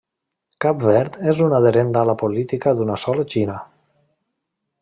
Cap Verd és un adherent ala política d'una sola Xina.